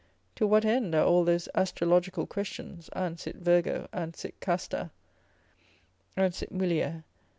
To what end are all those astrological questions, an sit virgo, an sit casta, an sit mulier?